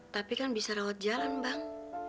tapi kan bisa rawat jalan bang